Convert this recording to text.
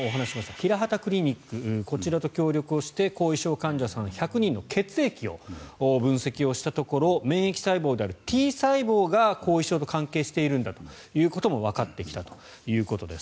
ヒラハタクリニックこちらと協力して後遺症患者さん１００人の血液を分析したところ免疫細胞であるＴ細胞が後遺症と関係しているんだということもわかってきたということです。